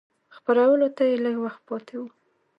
خپرولو ته یې لږ وخت پاته و.